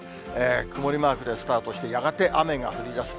曇りマークでスターとして、やがて雨が降りだす。